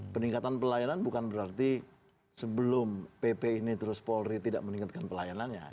peningkatan pelayanan bukan berarti sebelum pp ini terus polri tidak meningkatkan pelayanannya